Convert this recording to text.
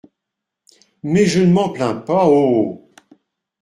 Mais, je ne m’en plains pas, oh !